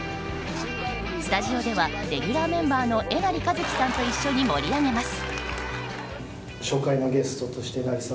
スタジオではレギュラーメンバーのえなりかずきさんと一緒に盛り上げます。